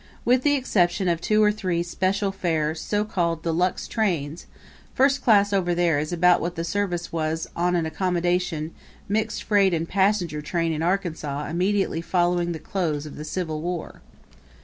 With the exception of two or three special fare, so called de luxe trains, first class over there is about what the service was on an accommodation, mixed freight and passenger train in Arkansas immediately following the close of the Civil War.